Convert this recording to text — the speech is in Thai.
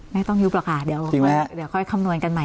ไม่ต้องยุบหรอกค่ะเดี๋ยวค่อยคำนวณกันใหม่